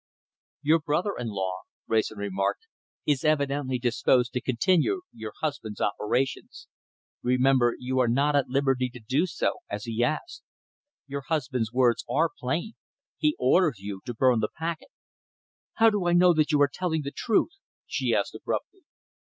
"Your brother in law," Wrayson remarked, "is evidently disposed to continue your husband's operations. Remember you are not at liberty to do as he asks. Your husband's words are plain. He orders you to burn the packet." "How do I know that you are telling me the truth?" she asked abruptly.